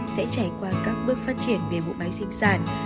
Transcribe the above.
sẽ trải qua các bước phát triển về bộ máy sinh sản